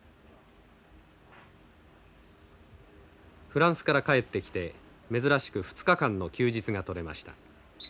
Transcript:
フランスから帰ってきて珍しく２日間の休日が取れました。